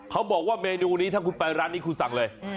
เขาบอกว่าเมนูนี้ถ้าคุณไปร้านนี้คุณสั่งเลย